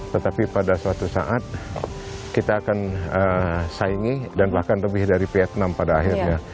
tetapi pada suatu saat kita akan saingi dan bahkan lebih dari vietnam pada akhirnya